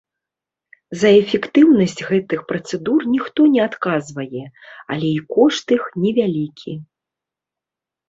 За эфектыўнасць гэтых працэдур ніхто не адказвае, але і кошт іх невялікі.